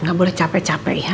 nggak boleh capek capek ya